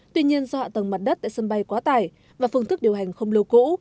tuy nhiên do hạ tầng mặt đất tại sân bay quá tải và phương thức điều hành không lâu cũ